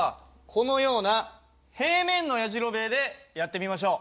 このような平面のやじろべえでやってみましょう。